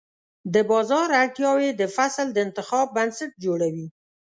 د بازار اړتیاوې د فصل د انتخاب بنسټ جوړوي.